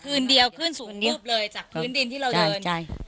คืนเดียวคืนสูงรูปเลยจากพื้นดินที่เราเดิน